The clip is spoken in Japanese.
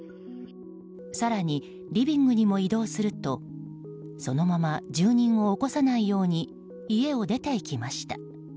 更に、リビングにも移動するとそのまま住人を起こさないように家を出て行きました。